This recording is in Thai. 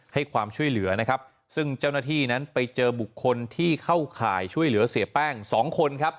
ให้ความช่วยเหลือนะครับซึ่งเจ้าหน้าที่นั้นไปเจอบุคคลที่เข้าข่ายช่วยเหลือเสียแป้งสองคนครับ